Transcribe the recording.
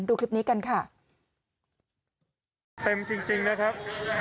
ดูคลิปนี้กันค่ะเต็มจริงจริงนะครับ